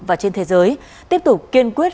và trên thế giới tiếp tục kiên quyết